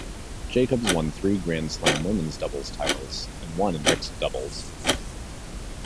Jacobs won three Grand Slam women's doubles titles and one in mixed doubles.